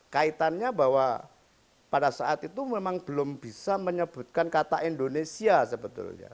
kaitannya bahwa pada saat itu memang belum bisa menyebutkan kata indonesia sebetulnya